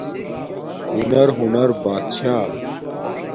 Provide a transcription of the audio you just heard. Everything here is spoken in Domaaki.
ہنر، ہنر بات شاہ ۔